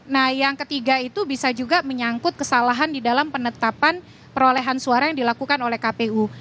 nah yang ketiga itu bisa juga menyangkut kesalahan di dalam penetapan perolehan suara yang dilakukan oleh kpu